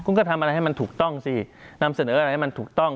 คุณก็ทำอะไรให้มันถูกต้องสินำเสนออะไรให้มันถูกต้อง